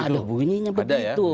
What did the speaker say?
ada bunyinya begitu